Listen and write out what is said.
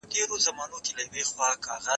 زه به سبا د ښوونځي کتابونه مطالعه وکړم!